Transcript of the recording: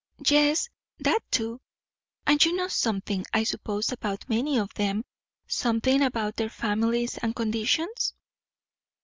"Yes, that too." "And you know something, I suppose, about many of them; something about their families and conditions?"